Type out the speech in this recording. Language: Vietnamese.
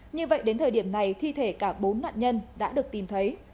như vậy đến thời điểm này thi thể cả bốn nạn nhân đã được tìm thấy